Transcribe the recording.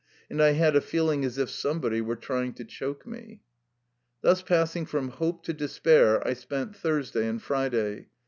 And I had a feeling as if somebody were trying to choke me ... Thus passing from hope to despair I spent Thursday and Friday.